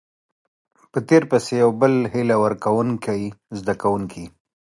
په تير پسې يو بل هيله ورکوونکۍ زده کوونکي